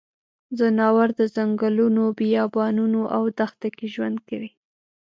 ځناور د ځنګلونو، بیابانونو او دښته کې ژوند کوي.